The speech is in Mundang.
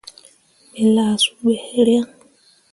Me lah suu ɓe hǝraŋ.